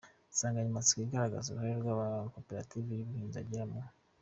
insanganyamatsiko igaragaza uruhare rw’Amakoperative y’ubuhinzi agira mu.